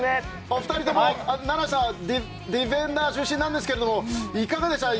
お二人ともディフェンダー出身なんですけどいかがでしたか？